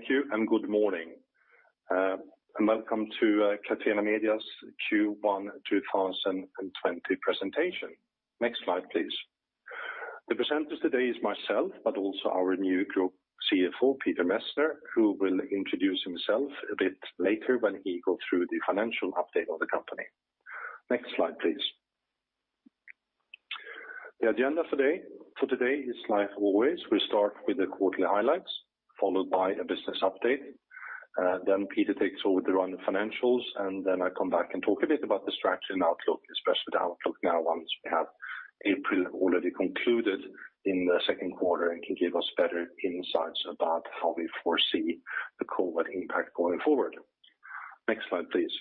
Thank you, and good morning. Welcome to Catena Media's Q1 2020 presentation. Next slide, please. The presenters today is myself, but also our new Group CFO, Peter Messner, who will introduce himself a bit later when he goes through the financial update of the company. Next slide, please. The agenda for today is like always, we start with the quarterly highlights, followed by a business update. Peter takes over to run the financials, and then I come back and talk a bit about the strategy and outlook, especially the outlook now once we have April already concluded in the second quarter and can give us better insights about how we foresee the COVID impact going forward. Next slide, please.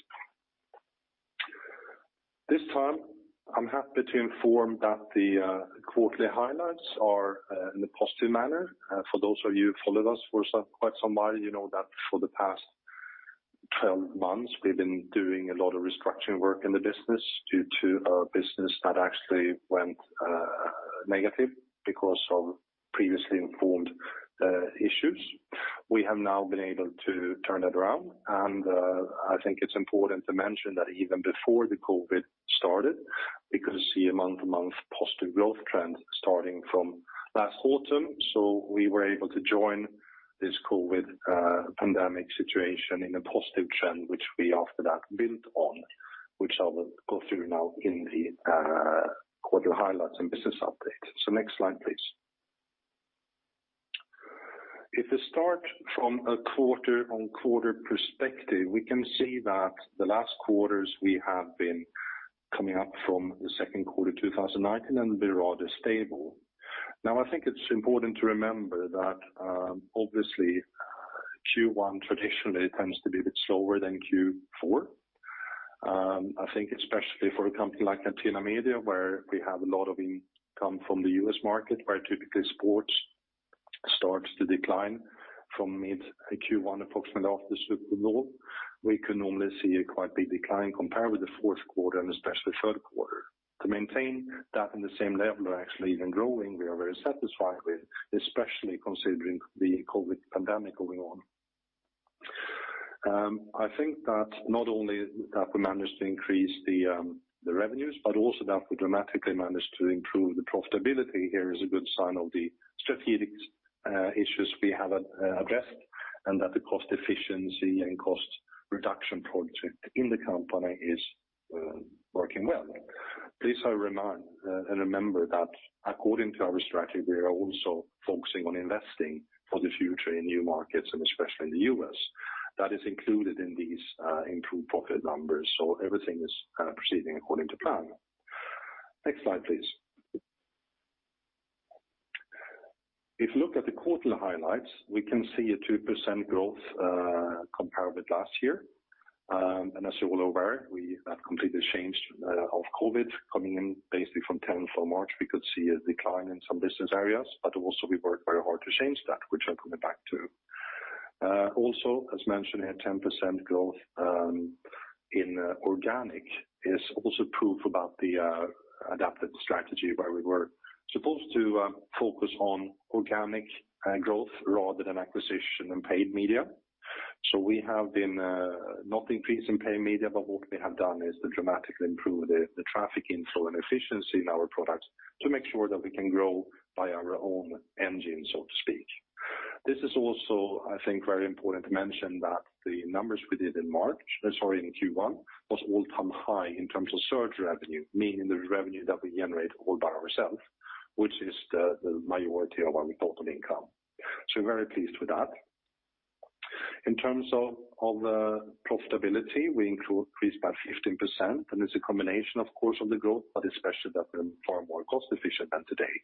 This time, I'm happy to inform that the quarterly highlights are in a positive manner. For those of you who followed us for quite some while, you know that for the past 12 months, we've been doing a lot of restructuring work in the business due to our business that actually went negative because of previously informed issues. We have now been able to turn that around, and I think it's important to mention that even before the COVID started, we could see a month-to-month positive growth trend starting from last autumn. We were able to join this COVID pandemic situation in a positive trend, which we after that built on, which I will go through now in the quarterly highlights and business update. Next slide, please. If we start from a quarter on quarter perspective, we can see that the last quarters we have been coming up from the second quarter 2019 have been rather stable. Now, I think it's important to remember that obviously, Q1 traditionally tends to be a bit slower than Q4. I think especially for a company like Catena Media, where we have a lot of income from the U.S. market, where typically sports starts to decline from mid Q1 approximately after Super Bowl. We can normally see a quite big decline compared with the fourth quarter and especially third quarter. To maintain that in the same level or actually even growing, we are very satisfied with, especially considering the COVID pandemic going on. I think that not only that we managed to increase the revenues, but also that we dramatically managed to improve the profitability. Here is a good sign of the strategic issues we have addressed, and that the cost efficiency and cost reduction project in the company is working well. Please remember that according to our strategy, we are also focusing on investing for the future in new markets and especially in the U.S. That is included in these improved profit numbers. Everything is proceeding according to plan. Next slide, please. If you look at the quarterly highlights, we can see a 2% growth compared with last year. As you're all aware, we have completely changed of COVID coming in basically from 10th of March. We could see a decline in some business areas, also we worked very hard to change that, which I'm coming back to. Also, as mentioned, a 10% growth in organic is also proof about the adapted strategy, where we were supposed to focus on organic growth rather than acquisition and paid media. We have been not increasing paid media, but what we have done is to dramatically improve the traffic inflow and efficiency in our products to make sure that we can grow by our own engine, so to speak. This is also, I think, very important to mention that the numbers we did in Q1 was all-time high in terms of search revenue, meaning the revenue that we generate all by ourselves, which is the majority of our total income. Very pleased with that. In terms of profitability, we increased by 15%, and it's a combination, of course, of the growth, but especially that we're far more cost-efficient than today.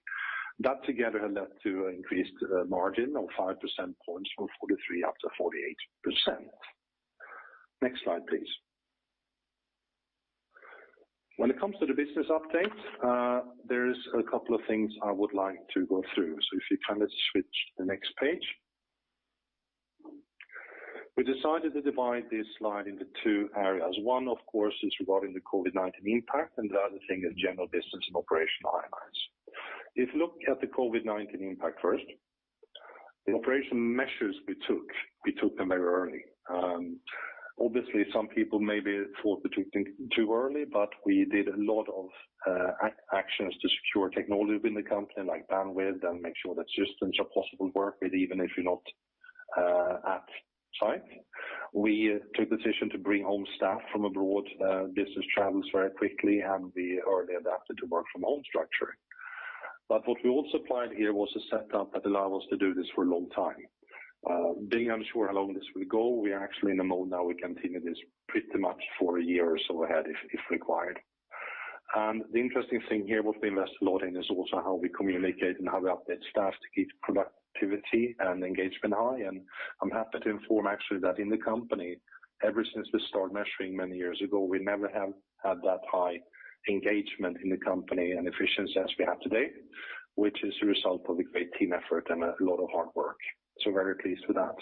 That together led to increased margin of 5% points from 43 up to 48%. Next slide, please. When it comes to the business update, there is a couple of things I would like to go through. If you switch to the next page. We decided to divide this slide into two areas. One, of course, is regarding the COVID-19 impact, and the other thing is general business and operational highlights. If you look at the COVID-19 impact first, the operational measures we took, we took them very early. Obviously, some people maybe thought we took things too early, but we did a lot of actions to secure technology within the company like bandwidth and make sure that systems are possible to work with even if you're not at site. We took the decision to bring home staff from abroad, business travels very quickly, and we early adapted to work from home structure. What we also applied here was a setup that allow us to do this for a long time. Being unsure how long this will go, we are actually in a mode now we continue this pretty much for a year or so ahead if required. The interesting thing here, what we invest a lot in, is also how we communicate and how we update staff to keep productivity and engagement high. I'm happy to inform actually that in the company, ever since we started measuring many years ago, we never have had that high engagement in the company and efficiency as we have today, which is a result of the great team effort and a lot of hard work. Very pleased with that.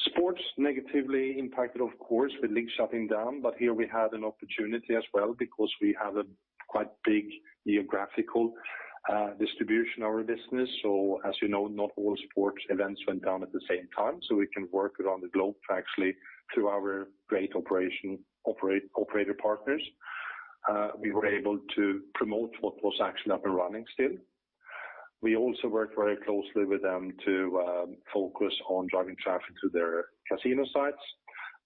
Sports negatively impacted, of course, with leagues shutting down. Here we had an opportunity as well because we have a quite big geographical distribution of our business. As you know, not all sports events went down at the same time, we can work around the globe actually through our great operator partners. We were able to promote what was actually up and running still. We also worked very closely with them to focus on driving traffic to their casino sites,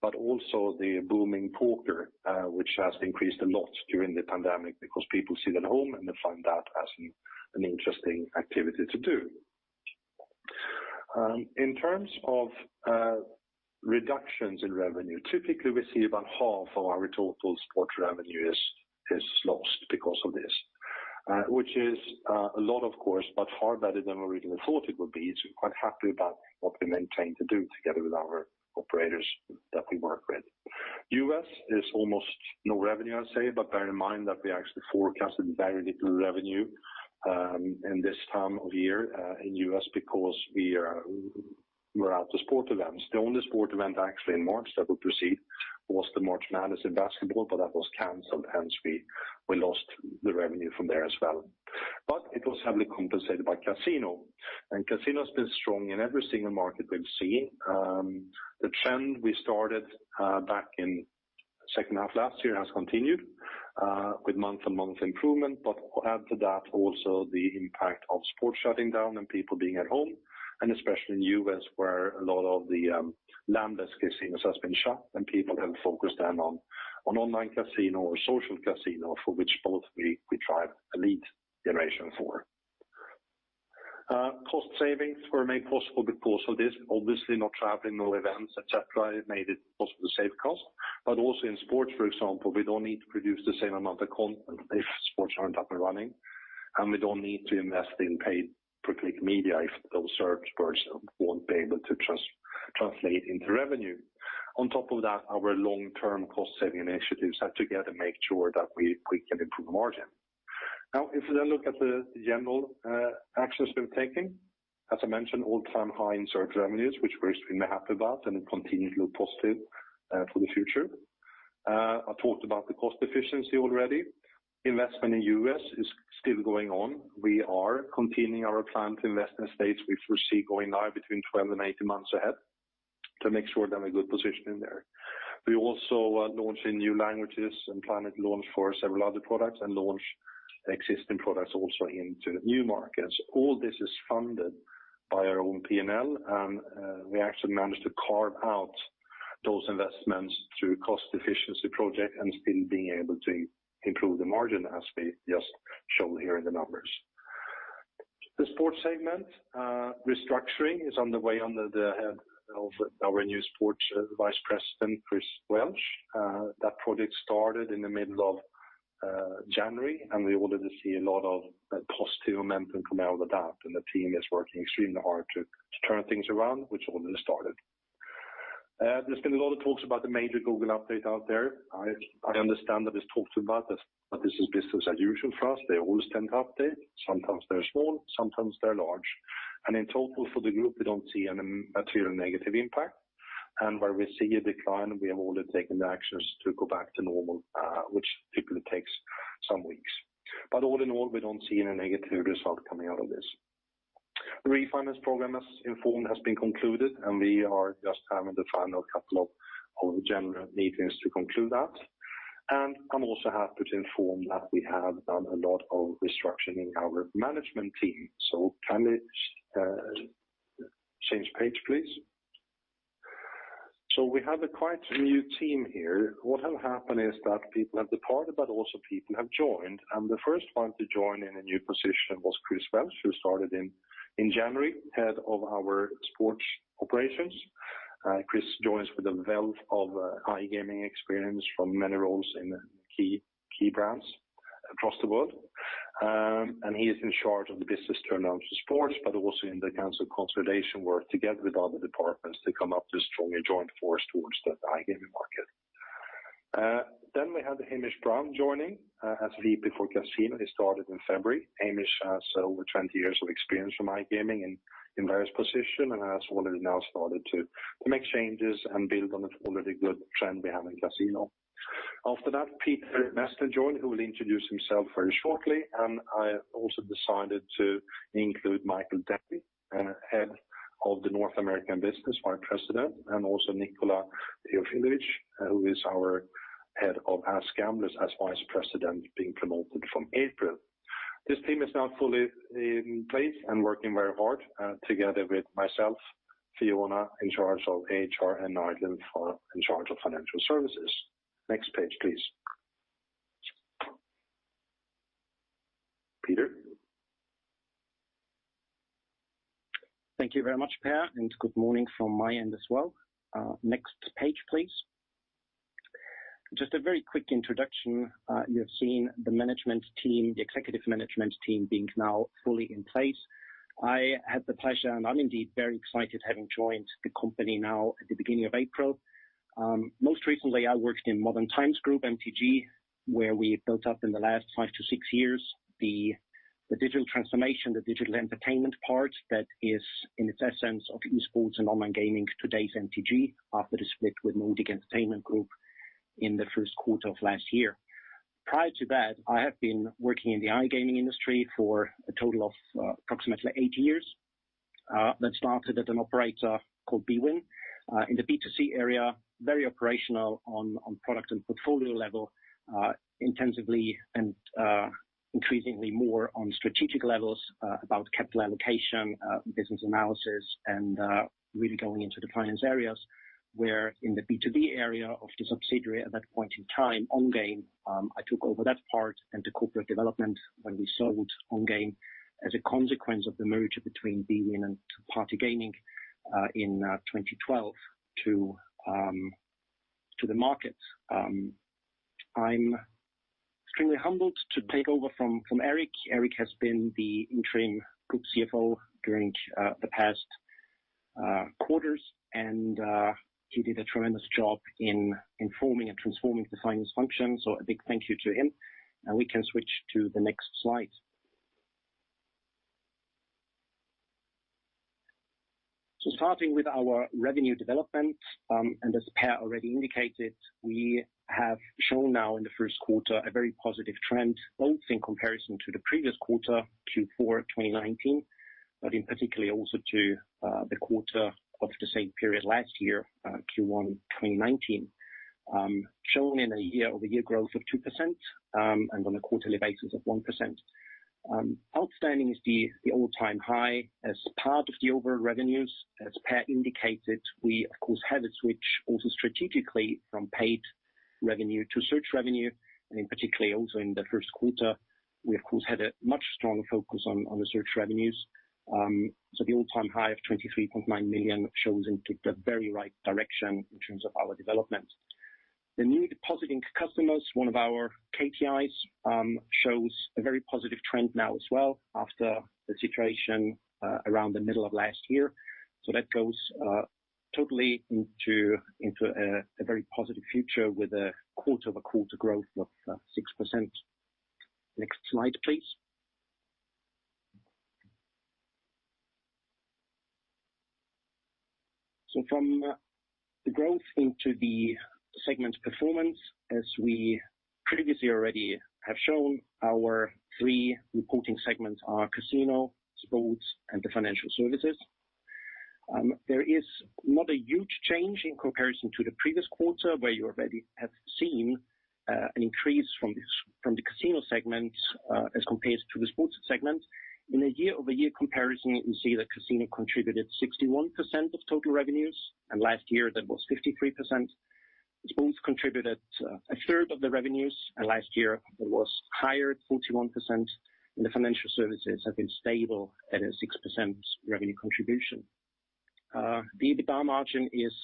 but also the booming poker, which has increased a lot during the pandemic because people sit at home and they find that as an interesting activity to do. In terms of reductions in revenue, typically we see about half of our total sports revenue is lost because of this, which is a lot, of course, but far better than we originally thought it would be. We're quite happy about what we maintained to do together with our operators that we work with. U.S. is almost no revenue, I'd say. Bear in mind that we actually forecasted very little revenue in this time of year in U.S. because we are out of sports events. The only sports event actually in March that would proceed was the March Madness in basketball. That was canceled, hence, we lost the revenue from there as well. It was heavily compensated by casino. Casino has been strong in every single market we've seen. The trend we started back in second half last year has continued with month-on-month improvement. Add to that also the impact of sports shutting down and people being at home, and especially in U.S. where a lot of the land-based casinos has been shut and people have focused then on online casino or social casino for which both we drive a lead generation for. Cost savings were made possible because of this. Obviously, not traveling, no events, et cetera, made it possible to save cost. Also in sports, for example, we don't need to produce the same amount of content if sports aren't up and running, and we don't need to invest in pay-per-click media if those search bursts won't be able to translate into revenue. On top of that, our long-term cost-saving initiatives have together made sure that we can improve margin. If you then look at the general actions we've taken, as I mentioned, all-time high in search revenues, which we're extremely happy about, and it continues to look positive for the future. I talked about the cost efficiency already. Investment in U.S. is still going on. We are continuing our plan to invest in States we foresee going live between 12 and 18 months ahead to make sure that we're good positioned in there. We also are launching new languages and plan to launch for several other products and launch existing products also into new markets. All this is funded by our own P&L, and we actually managed to carve out those investments through cost efficiency project and still being able to improve the margin as we just shown here in the numbers. The sports segment restructuring is on the way under the head of our new Sports Vice President, Chris Welch. That project started in the middle of January, and we already see a lot of positive momentum coming out of that, and the team is working extremely hard to turn things around, which already started. There's been a lot of talks about the major Google update out there. I understand that it's talked about, but this is business as usual for us. They always tend to update. Sometimes they're small, sometimes they're large. In total for the group, we don't see any material negative impact. Where we see a decline, we have already taken the actions to go back to normal, which typically takes some weeks. All in all, we don't see any negative result coming out of this. The refinance program, as informed, has been concluded, and we are just having the final couple of general meetings to conclude that. I also have to inform that we have done a lot of restructuring in our management team. Can it change page, please? We have a quite new team here. What has happened is that people have departed, but also people have joined, and the first one to join in a new position was Chris Welch, who started in January, Head of our sports operations. Chris joins with a wealth of iGaming experience from many roles in key brands across the world. He is in charge of the business to enhance the sports, but also in the council consolidation work together with other departments to come up with stronger joint force towards the iGaming market. We have Hamish Brown joining as VP for Casino. He started in February. Hamish has over 20 years of experience from iGaming in various position and has already now started to make changes and build on an already good trend we have in casino. After that, Peter Messner joined, who will introduce himself very shortly. I also decided to include Michael Dempsey, head of the North American business, Vice President, and also Nikola Teofilović, who is our head of AskGamblers as Vice President, being promoted from April. This team is now fully in place and working very hard together with myself, Fiona in charge of HR, and Eirlinn in charge of financial services. Next page, please. Peter? Thank you very much, Per, and good morning from my end as well. Next page, please. Just a very quick introduction. You have seen the executive management team being now fully in place. I had the pleasure, and I'm indeed very excited having joined the company now at the beginning of April. Most recently, I worked in Modern Times Group, MTG, where we built up in the last five to six years the digital transformation, the digital entertainment part that is in its essence of esports and online gaming, today's MTG, after the split with Nordic Entertainment Group in the first quarter of last year. Prior to that, I have been working in the iGaming industry for a total of approximately eight years. That started at an operator called bwin in the B2C area, very operational on product and portfolio level, intensively and increasingly more on strategic levels about capital allocation, business analysis, and really going into the finance areas where in the B2B area of the subsidiary at that point in time, Ongame, I took over that part and the corporate development when we sold Ongame as a consequence of the merger between bwin and PartyGaming in 2012 to the market. I'm extremely humbled to take over from Erik. Erik has been the interim group CFO during the past quarters, and he did a tremendous job in informing and transforming the finance function. A big thank you to him. We can switch to the next slide. Starting with our revenue development, as Per already indicated, we have shown now in the first quarter a very positive trend, both in comparison to the previous quarter, Q4 2019, in particularly also to the quarter of the same period last year, Q1 2019. Shown in a year-over-year growth of 2% and on a quarterly basis of 1%. Outstanding is the all-time high as part of the overall revenues. As Per indicated, we of course, had a switch also strategically from paid revenue to search revenue, in particularly also in the first quarter, we, of course, had a much stronger focus on the search revenues. The all-time high of 23.9 million shows into the very right direction in terms of our development. The new depositing customers, one of our KPIs, shows a very positive trend now as well after the situation around the middle of last year. That goes totally into a very positive future with a quarter-over-quarter growth of 6%. Next slide, please. From the growth into the segment performance, as we previously already have shown, our three reporting segments are casino, sports, and the financial services. There is not a huge change in comparison to the previous quarter where you already have seen an increase from the casino segment as compared to the sports segment. In a year-over-year comparison, we see that casino contributed 61% of total revenues, and last year that was 53%. Sports contributed a third of the revenues, and last year it was higher at 41%, and the financial services have been stable at a 6% revenue contribution. The EBITDA margin is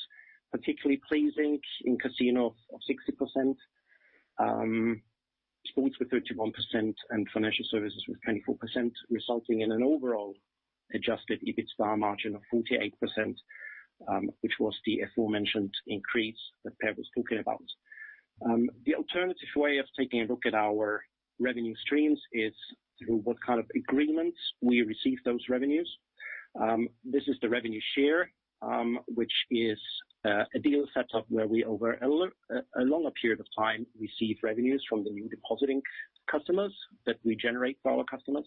particularly pleasing in casino of 60%, sports with 31%, and financial services with 24%, resulting in an overall adjusted EBITDA margin of 48%, which was the aforementioned increase that Per was talking about. The alternative way of taking a look at our revenue streams is through what kind of agreements we receive those revenues. This is the revenue share, which is a deal set up where we over a longer period of time receive revenues from the new depositing customers that we generate for our customers.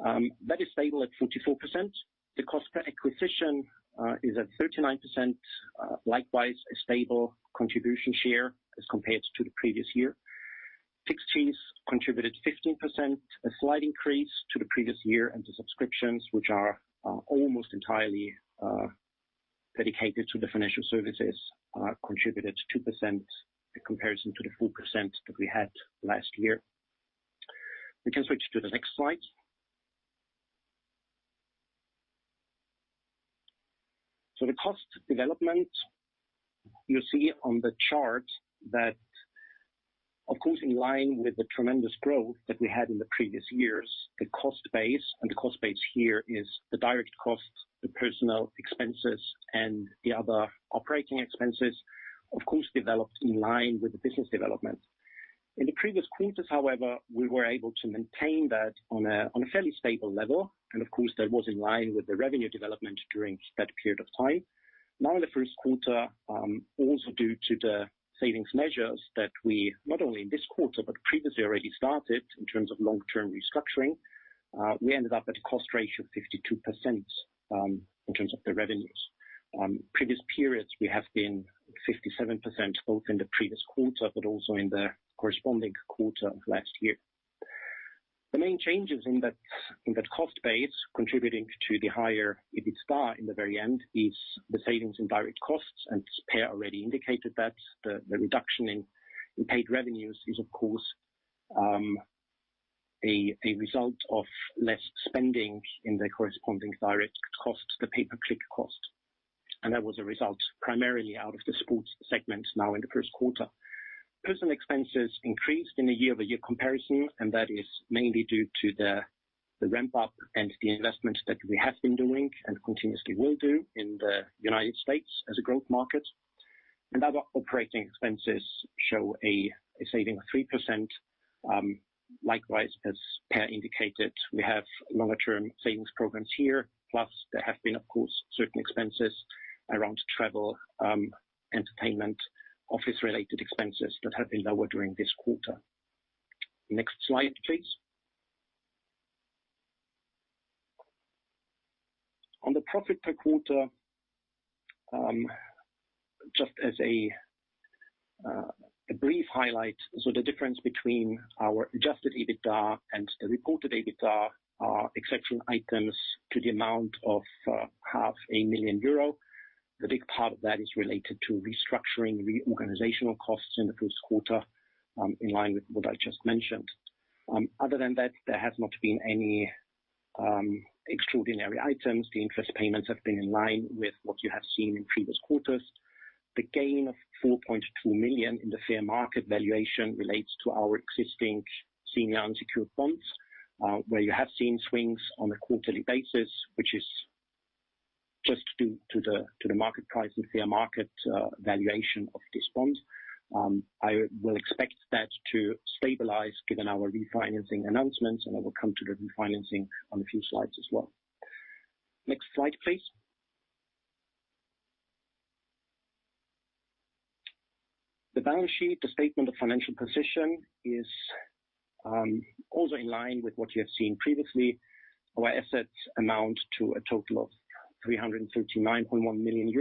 That is stable at 44%. The cost per acquisition is at 39%, likewise a stable contribution share as compared to the previous year. Fixed fees contributed 15%, a slight increase to the previous year, and the subscriptions, which are almost entirely dedicated to the financial services, contributed 2% in comparison to the 4% that we had last year. We can switch to the next slide. The cost development you see on the chart that, of course, in line with the tremendous growth that we had in the previous years, the cost base, and the cost base here is the direct cost, the personnel expenses, and the other operating expenses, of course, developed in line with the business development. In the previous quarters, however, we were able to maintain that on a fairly stable level, and of course, that was in line with the revenue development during that period of time. Now in the first quarter, also due to the savings measures that we, not only in this quarter, but previously already started in terms of long-term restructuring, we ended up at a cost ratio of 52% in terms of the revenues. Previous periods, we have been 57%, both in the previous quarter but also in the corresponding quarter of last year. The main changes in that cost base contributing to the higher EBITDA in the very end is the savings in direct costs. Per already indicated that. The reduction in paid revenues is, of course, a result of less spending in the corresponding direct costs, the pay-per-click cost. That was a result primarily out of the sports segment now in the first quarter. Personnel expenses increased in a year-over-year comparison. That is mainly due to the ramp-up and the investment that we have been doing and continuously will do in the United States as a growth market. Other operating expenses show a saving of 3%. Likewise, as Per indicated, we have longer-term savings programs here. There have been, of course, certain expenses around travel, entertainment, office-related expenses that have been lower during this quarter. Next slide, please. On the profit per quarter, just as a brief highlight. The difference between our adjusted EBITDA and the reported EBITDA are exceptional items to the amount of half a million EUR. The big part of that is related to restructuring reorganizational costs in the first quarter, in line with what I just mentioned. Other than that, there has not been any extraordinary items. The interest payments have been in line with what you have seen in previous quarters. The gain of 4.2 million in the fair market valuation relates to our existing senior unsecured bonds, where you have seen swings on a quarterly basis, which is just due to the market price and fair market valuation of this bond. I will expect that to stabilize given our refinancing announcements, and I will come to the refinancing on a few slides as well. Next slide, please. The balance sheet, the statement of financial position is also in line with what you have seen previously. Our assets amount to a total of €339.1 million.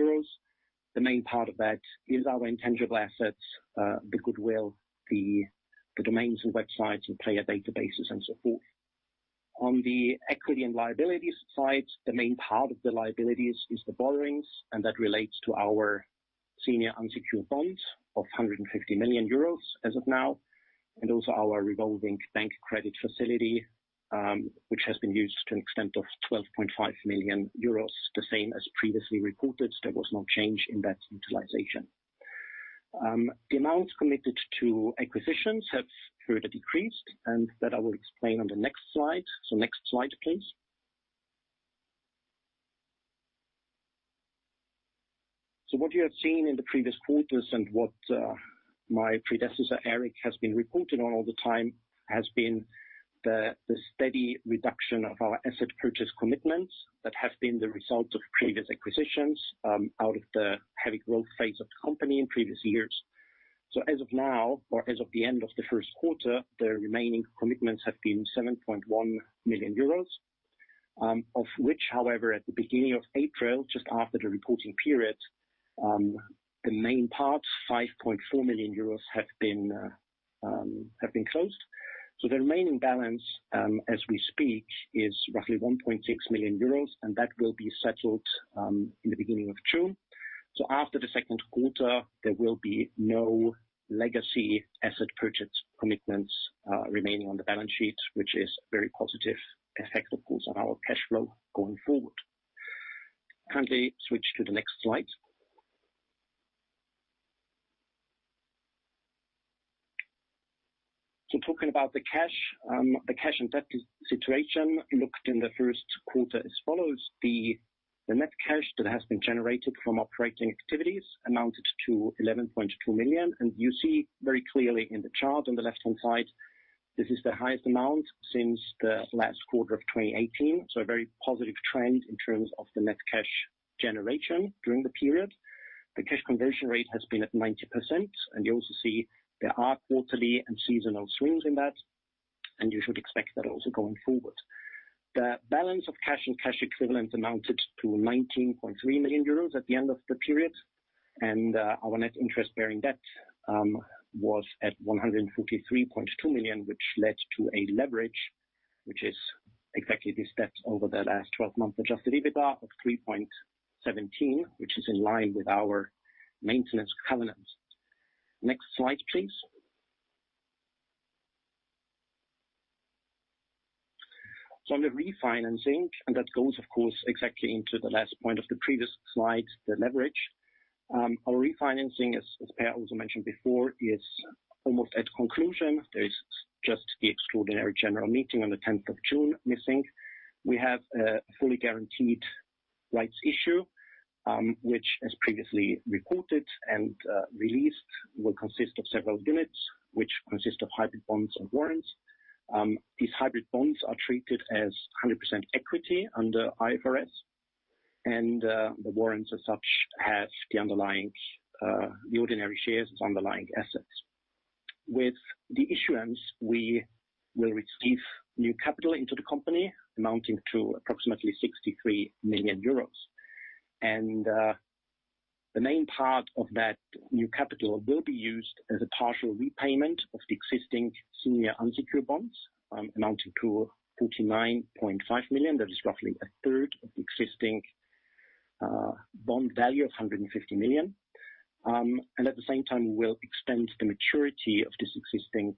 The main part of that is our intangible assets, the goodwill, the domains and websites and player databases and so forth. On the equity and liabilities side, the main part of the liabilities is the borrowings, and that relates to our senior unsecured bonds of €150 million as of now, and also our revolving bank credit facility, which has been used to an extent of €12.5 million, the same as previously reported. There was no change in that utilization. The amounts committed to acquisitions have further decreased, and that I will explain on the next slide. Next slide, please. What you have seen in the previous quarters and what my predecessor, Erik, has been reporting on all the time has been the steady reduction of our asset purchase commitments that have been the result of previous acquisitions out of the heavy growth phase of the company in previous years. As of now, or as of the end of the first quarter, the remaining commitments have been €7.1 million. Of which, however, at the beginning of April, just after the reporting period, the main part, €5.4 million have been closed. The remaining balance, as we speak, is roughly €1.6 million, and that will be settled in the beginning of June. After the second quarter, there will be no legacy asset purchase commitments remaining on the balance sheet, which is very positive effect, of course, on our cash flow going forward. Can we switch to the next slide? Talking about the cash. The cash and debt situation looked in the first quarter as follows. The net cash that has been generated from operating activities amounted to 11.2 million. You see very clearly in the chart on the left-hand side, this is the highest amount since the last quarter of 2018. A very positive trend in terms of the net cash generation during the period. The cash conversion rate has been at 90%. You also see there are quarterly and seasonal swings in that, and you should expect that also going forward. The balance of cash and cash equivalents amounted to 19.3 million euros at the end of the period. Our net interest bearing debt was at 153.2 million, which led to a leverage, which is exactly this debt over the last 12-month adjusted EBITDA of 3.17, which is in line with our maintenance covenants. Next slide, please. On the refinancing, that goes of course, exactly into the last point of the previous slide, the leverage. Our refinancing, as Per also mentioned before, is almost at conclusion. There is just the extraordinary general meeting on the 10th of June missing. We have a fully guaranteed rights issue, which as previously reported and released, will consist of several units, which consist of hybrid bonds and warrants. These hybrid bonds are treated as 100% equity under IFRS. The warrants as such have the ordinary shares as underlying assets. With the issuance, we will receive new capital into the company amounting to approximately 63 million euros. The main part of that new capital will be used as a partial repayment of the existing senior unsecured bonds amounting to 49.5 million. That is roughly a third of the existing bond value of 150 million. At the same time, we'll extend the maturity of this existing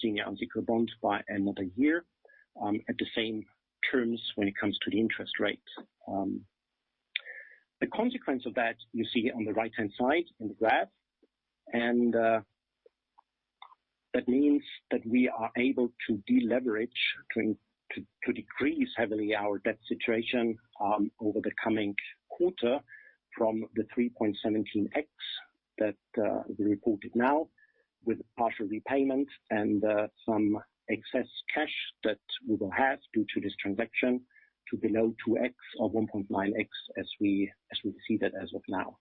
senior unsecured bond by another year at the same terms when it comes to the interest rate. The consequence of that you see on the right-hand side in the graph. That means that we are able to deleverage, to decrease heavily our debt situation over the coming quarter from the 3.17x that we reported now with partial repayment and some excess cash that we will have due to this transaction, to below 2x or 1.9x as we see that as of now.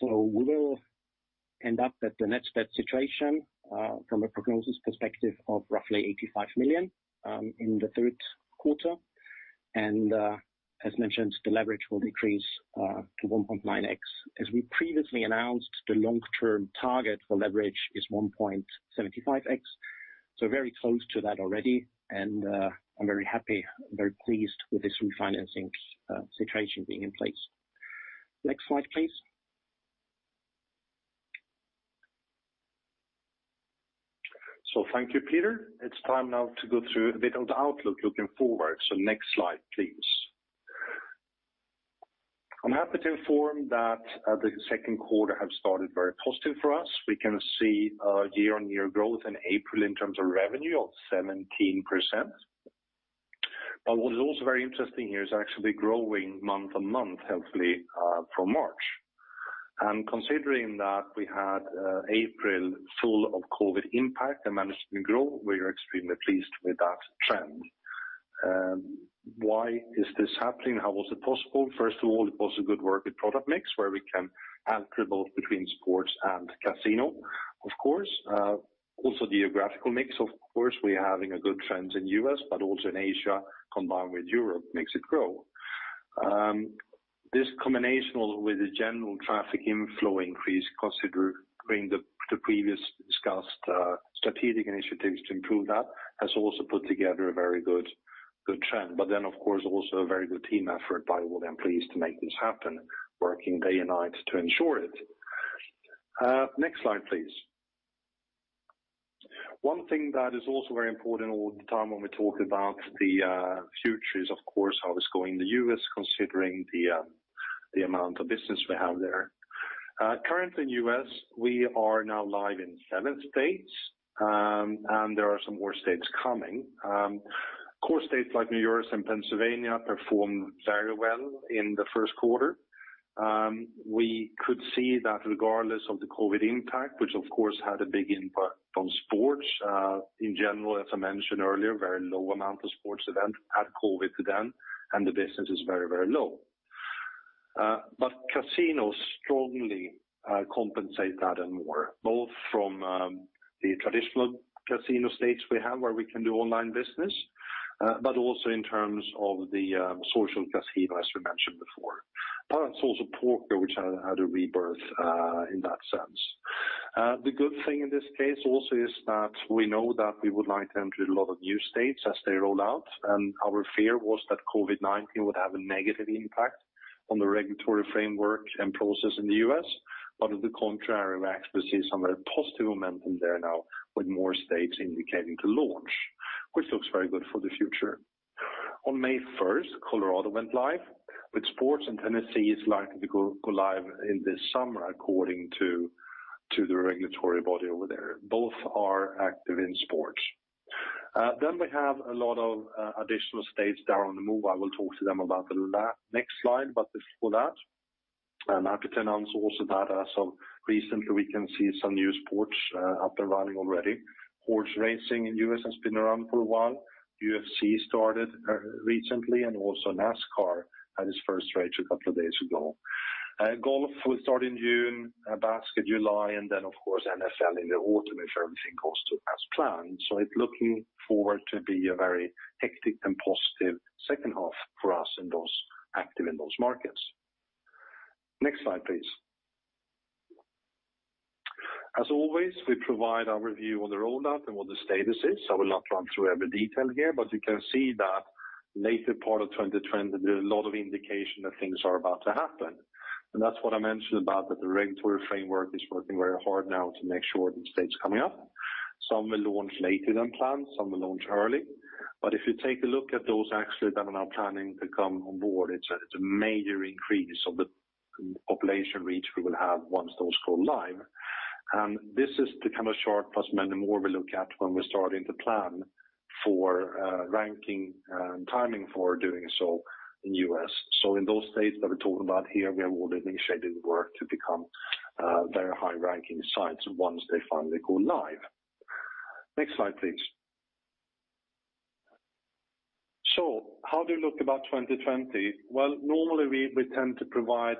We will end up that the net debt situation, from a prognosis perspective, of roughly 85 million in the third quarter. As mentioned, the leverage will decrease to 1.9x. As we previously announced, the long-term target for leverage is 1.75x, so very close to that already, and I am very happy, very pleased with this refinancing situation being in place. Next slide, please. Thank you, Peter. It's time now to go through a bit of the outlook looking forward. Next slide, please. I'm happy to inform that the second quarter have started very positive for us. We can see a year-on-year growth in April in terms of revenue of 17%. What is also very interesting here is actually growing month-on-month, hopefully, from March. Considering that we had April full of COVID impact and management growth, we are extremely pleased with that trend. Why is this happening? How was it possible? First of all, it was a good work with product mix, where we can alter both between sports and casino, of course. Also geographical mix, of course. We are having a good trend in U.S., but also in Asia, combined with Europe makes it grow. This combination with the general traffic inflow increase, considering the previous discussed strategic initiatives to improve that, has also put together a very good trend. Of course, also a very good team effort by all the employees to make this happen, working day and night to ensure it. Next slide, please. One thing that is also very important all the time when we talk about the future is, of course, how it's going in the U.S., considering the amount of business we have there. Currently in U.S., we are now live in seven states, and there are some more states coming. Core states like New York and Pennsylvania performed very well in the first quarter. We could see that regardless of the COVID-19 impact, which of course, had a big impact on sports in general, as I mentioned earlier, very low amount of sports event had COVID-19 then, and the business is very low. Casinos strongly compensate that and more, both from the traditional casino states we have where we can do online business, but also in terms of the social casino, as we mentioned before. Also poker, which had a rebirth in that sense. The good thing in this case also is that we know that we would like them to a lot of new states as they roll out, and our fear was that COVID-19 would have a negative impact on the regulatory framework and process in the U.S. On the contrary, we actually see some very positive momentum there now with more states indicating to launch, which looks very good for the future. On May 1st, Colorado went live with sports, and Tennessee is likely to go live in this summer, according to the regulatory body over there. Both are active in sports. We have a lot of additional states that are on the move. I will talk to them about that in the next slide. Before that, I'm happy to announce also that recently we can see some new sports up and running already. Horse racing in U.S. has been around for a while. UFC started recently, and also NASCAR had its first race a couple of days ago. Golf will start in June, basketball July, and then of course, NFL in the autumn, if everything goes to as planned. It's looking forward to be a very hectic and positive second half for us in those active in those markets. Next slide, please. As always, we provide our review on the rollout and what the status is. I will not run through every detail here, but you can see that later part of 2020, there's a lot of indication that things are about to happen. That's what I mentioned about that the regulatory framework is working very hard now to make sure the state's coming up. Some will launch later than planned, some will launch early. If you take a look at those actually that are now planning to come on board, it's a major increase of the population reach we will have once those go live. This is to become a short plus many more we look at when we're starting to plan for ranking and timing for doing so in U.S. In those states that we're talking about here, we are already initiating work to become very high-ranking sites once they finally go live. Next slide, please. How do you look about 2020? Well, normally, we tend to provide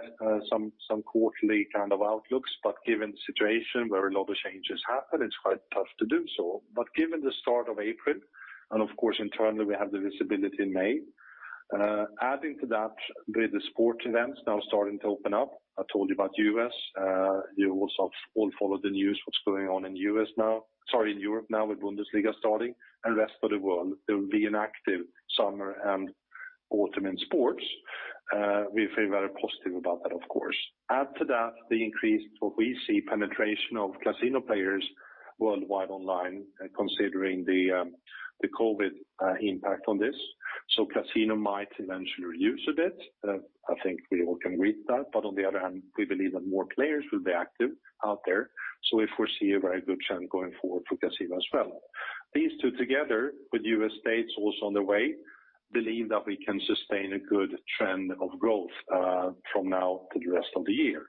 some quarterly kind of outlooks, but given the situation where a lot of changes happen, it's quite tough to do so. Given the start of April, and of course, internally, we have the visibility in May. Adding to that with the sport events now starting to open up, I told you about U.S. You also all follow the news, what's going on in U.S. now-- Sorry, in Europe now with Bundesliga starting, and rest of the world. There will be an active summer and autumn in sports. We feel very positive about that, of course. Add to that the increased, what we see, penetration of casino players worldwide online, considering the COVID-19 impact on this. Casino might eventually reduce a bit. I think we all can read that. On the other hand, we believe that more players will be active out there, so we foresee a very good trend going forward for Casino as well. These two together with U.S. states also on the way, believe that we can sustain a good trend of growth from now to the rest of the year.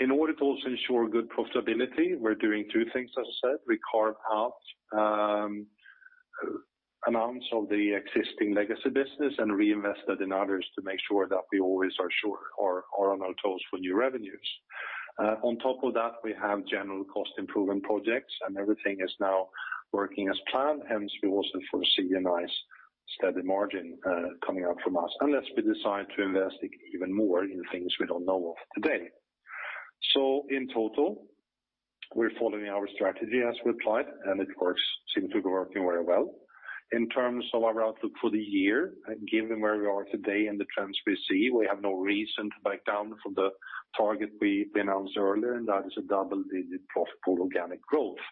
In order to also ensure good profitability, we're doing two things, as I said. We carve out amounts of the existing legacy business and reinvest that in others to make sure that we always are sure, or on our toes for new revenues. On top of that, we have general cost improvement projects, and everything is now working as planned, hence we also foresee a nice steady margin coming out from us, unless we decide to invest even more in things we don't know of today. In total, we're following our strategy as we applied, and it seems to be working very well. In terms of our outlook for the year, given where we are today and the trends we see, we have no reason to back down from the target we announced earlier, and that is a double-digit profitable organic growth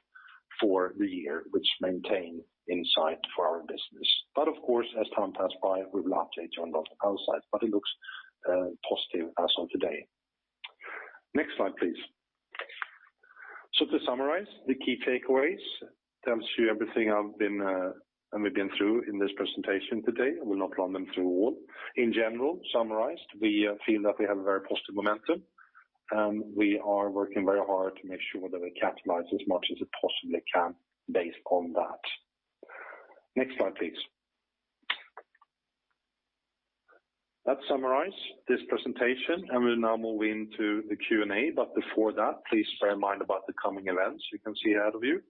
for the year, which maintain insight for our business. Of course, as time passes by, we will update you on those insights. It looks positive as of today. Next slide, please. To summarize the key takeaways, tells you everything we've been through in this presentation today. I will not run them through all. In general, summarized, we feel that we have a very positive momentum. We are working very hard to make sure that we capitalize as much as it possibly can based on that. Next slide, please. That summarize this presentation, and we'll now move into the Q&A. Before that, please bear in mind about the coming events you can see ahead of you.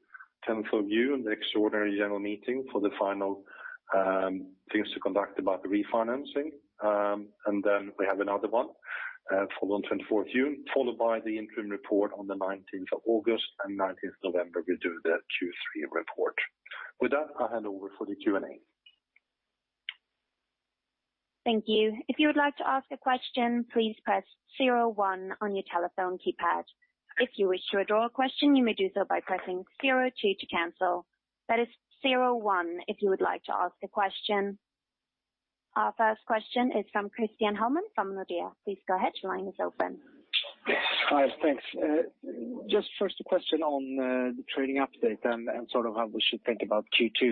10th of June, the extraordinary general meeting for the final things to conduct about the refinancing, and then we have another one for on 24th June, followed by the interim report on the 19th of August, and 19th November, we'll do the Q3 report. With that, I hand over for the Q&A. Thank you. If you would like to ask a question, please press 01 on your telephone keypad. If you wish to withdraw a question, you may do so by pressing 02 to cancel. That is 01 if you would like to ask a question. Our first question is from Christian Hellman from Nordea. Please go ahead. Your line is open. Hi. Thanks. Just first a question on the trading update and sort of how we should think about Q2.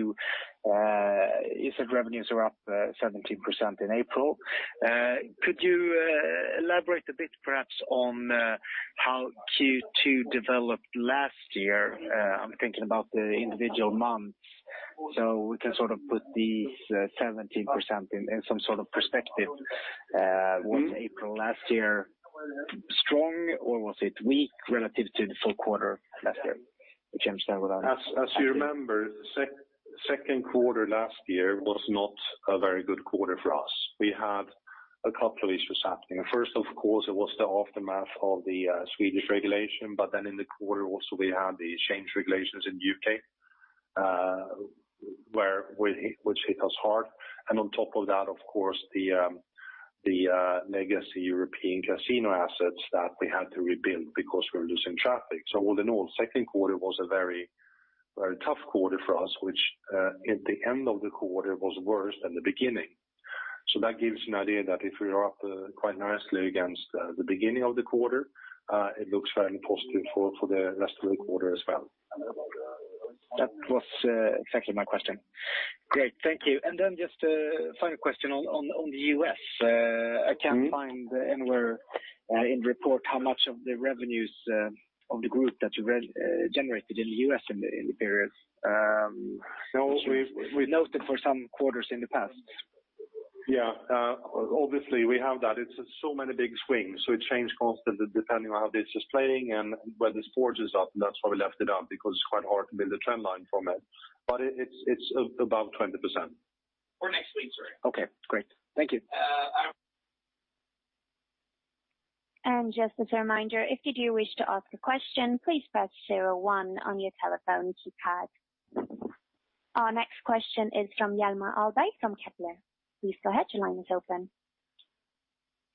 You said revenues are up 17% in April. Could you elaborate a bit perhaps on how Q2 developed last year? I'm thinking about the individual months, so we can sort of put these 17% in some sort of perspective. Was April last year strong or was it weak relative to the full quarter last year? As you remember, second quarter last year was not a very good quarter for us. We had a couple of issues happening. First, of course, it was the aftermath of the Swedish regulation, but then in the quarter also we had the exchange regulations in U.K., which hit us hard. On top of that, of course, the legacy European casino assets that we had to rebuild because we were losing traffic. All in all, second quarter was a very tough quarter for us, which at the end of the quarter was worse than the beginning. That gives you an idea that if we are up quite nicely against the beginning of the quarter, it looks very positive for the rest of the quarter as well. That was exactly my question. Great. Thank you. Then just a final question on the U.S. I can't find anywhere in report how much of the revenues of the group that you generated in the U.S. in the period. No. We noted for some quarters in the past. Yeah. Obviously, we have that. It's so many big swings, so it change constantly depending on how this is playing and whether sports is up. That's why we left it out, because it's quite hard to build a trend line from it. It's above 20%. For next week, sorry. Okay, great. Thank you. Just as a reminder, if you do wish to ask a question, please press zero one on your telephone keypad. Our next question is from Hjalmar Ahlberg from Kepler. Please go ahead. Your line is open.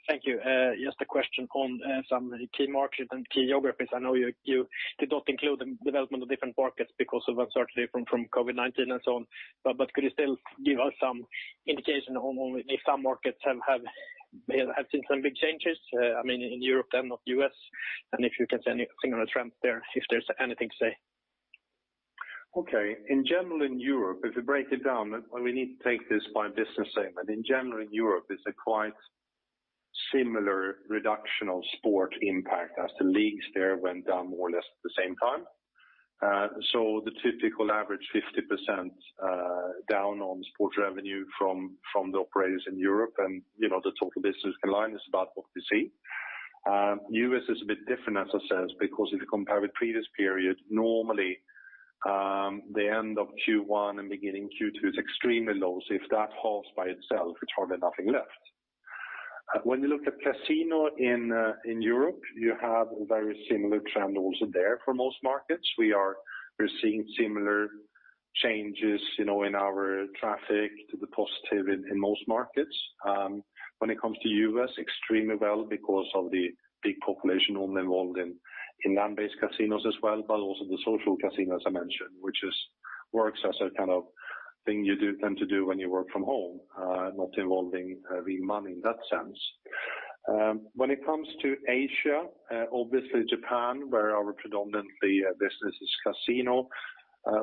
Thank you. Just a question on some key markets and key geographies. I know you did not include the development of different markets because of uncertainty from COVID-19 and so on. Could you still give us some indication on if some markets may have seen some big changes, I mean, in Europe and not U.S.? If you can see anything on a trend there, if there's anything to say. Okay. In general in Europe, if you break it down, and we need to take this by business segment. In general in Europe, it's a quite similar reduction of sport impact as the leagues there went down more or less at the same time. The typical average 50% down on sports revenue from the operators in Europe, and the total business line is about what you see. U.S. is a bit different as I said, because if you compare with previous period, normally, the end of Q1 and beginning Q2 is extremely low. If that halves by itself, it's hardly nothing left. When you look at casino in Europe, you have very similar trend also there for most markets. We are seeing similar changes in our traffic to the positive in most markets. When it comes to U.S., extremely well because of the big population involved in land-based casinos as well, but also the social casino, as I mentioned, which works as a kind of thing you do tend to do when you work from home, not involving real money in that sense. When it comes to Asia, obviously Japan, where our predominantly business is casino.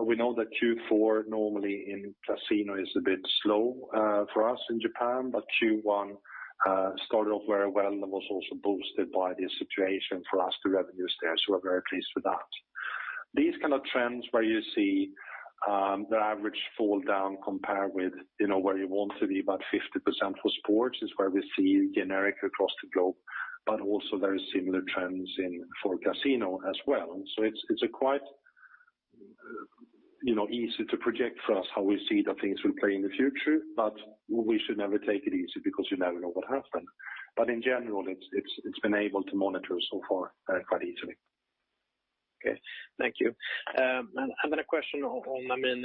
We know that Q4 normally in casino is a bit slow for us in Japan, but Q1 started off very well and was also boosted by this situation for us to revenue share. We're very pleased with that. These kind of trends where you see the average fall down compared with where you want to be about 50% for sports is where we see generic across the globe, but also very similar trends for casino as well. It's quite easy to project for us how we see that things will play in the future, but we should never take it easy because you never know what happens. In general, it's been able to monitor so far quite easily. Okay. Thank you. A question on,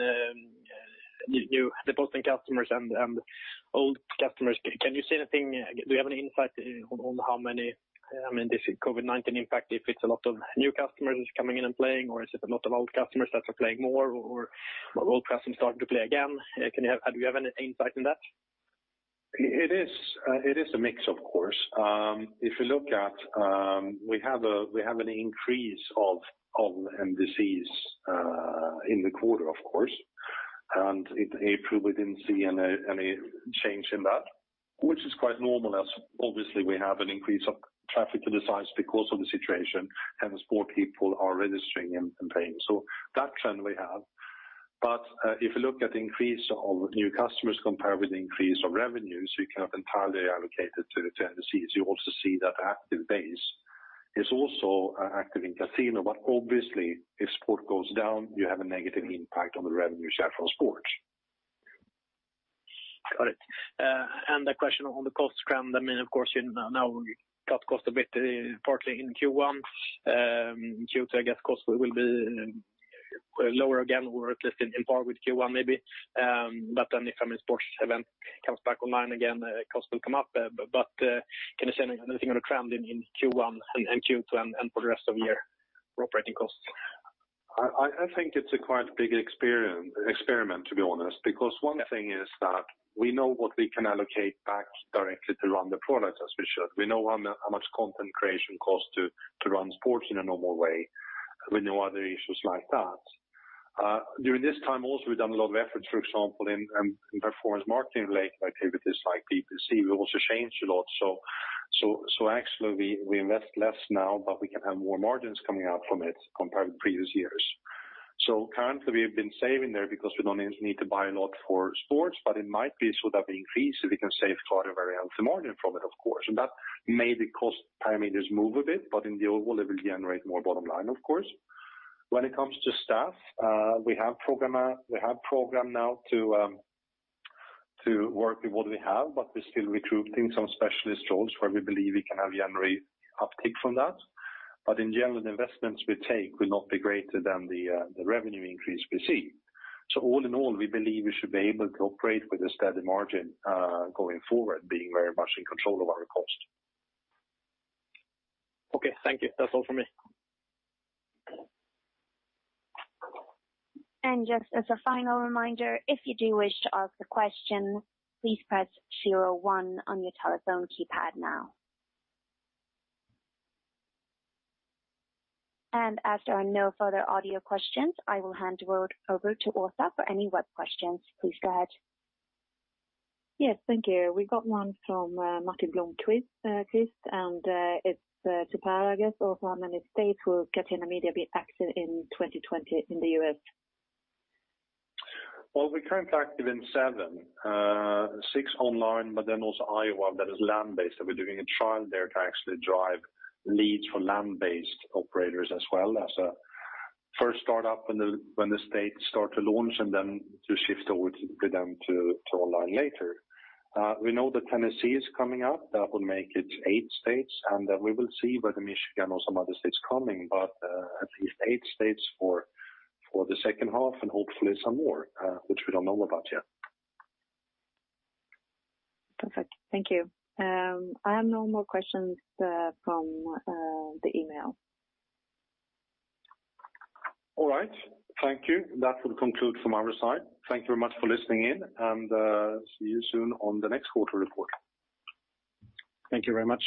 new depositing customers and old customers. Can you say anything, do you have any insight on how many, this COVID-19 impact, if it's a lot of new customers coming in and playing, or is it a lot of old customers that are playing more, or old customers starting to play again? Do you have any insight in that? It is a mix, of course. If you look at, we have an increase of NDCs in the quarter, of course. In April, we didn't see any change in that, which is quite normal as obviously we have an increase of traffic to the sites because of the situation, hence more people are registering and playing. That trend we have. If you look at the increase of new customers compared with the increase of revenues, you can entirely allocate it to the NDCs. You also see that active base is also active in casino. Obviously, if sport goes down, you have a negative impact on the revenues you have from sports. Got it. A question on the cost trend. Of course, now we cut cost a bit partly in Q1. Q2, I guess cost will be lower again, or at least in par with Q1 maybe. If a sports event comes back online again, cost will come up. Can you say anything on the trend in Q1 and Q2 and for the rest of the year for operating costs? I think it's a quite big experiment, to be honest. One thing is that we know what we can allocate back directly to run the product as we should. We know how much content creation costs to run sports in a normal way with no other issues like that. During this time also, we've done a lot of efforts, for example, in performance marketing related activities like PPC. We also changed a lot. Actually, we invest less now, but we can have more margins coming out from it compared with previous years. Currently, we've been saving there because we don't need to buy a lot for sports, but it might be so that we increase so we can save quite a very healthy margin from it, of course. That may be cost parameters move a bit, but in the overall it will generate more bottom line, of course. When it comes to staff, we have programmed now to work with what we have, but we're still recruiting some specialist roles where we believe we can generate uptick from that. In general, the investments we take will not be greater than the revenue increase we see. All in all, we believe we should be able to operate with a steady margin going forward, being very much in control of our cost. Okay. Thank you. That's all from me. Just as a final reminder, if you do wish to ask a question, please press 01 on your telephone keypad now. As there are no further audio questions, I will hand over to Åsa for any web questions. Please go ahead. Yes. Thank you. We got one from Martin Blomquist, and it's to Per, I guess. Also, how many states will Catena Media be active in 2020 in the U.S.? We're currently active in seven. Six online, also Iowa, that is land-based. We're doing a trial there to actually drive leads for land-based operators as well as a first start up when the states start to launch and then to shift over to them to online later. We know that Tennessee is coming up. That will make it eight states, and we will see whether Michigan or some other states coming, but at least eight states for the second half and hopefully some more which we don't know about yet. Perfect. Thank you. I have no more questions from the email. All right. Thank you. That will conclude from our side. Thank you very much for listening in, and see you soon on the next quarter report. Thank you very much.